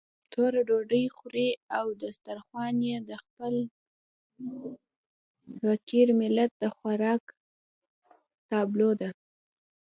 توره ډوډۍ خوري او دسترخوان يې د خپل فقير ملت د خوراک تابلو ده.